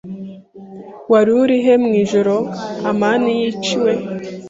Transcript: Wari urihe mwijoro amani yiciwe?